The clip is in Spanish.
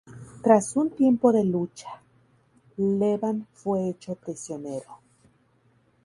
Tras un tiempo de lucha, Levan fue hecho prisionero.